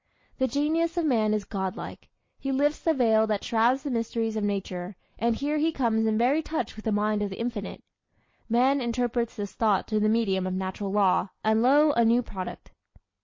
The genius of man is God like. He lifts the veil that shrouds the mysteries of nature, and here he comes in very touch with the mind of the Infinite. Man interprets this thought through the medium of natural law, and lo, a new product!